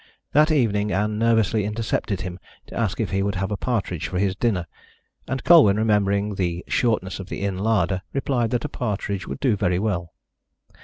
That evening Ann nervously intercepted him to ask if he would have a partridge for his dinner, and Colwyn, remembering the shortness of the inn larder, replied that a partridge would do very well.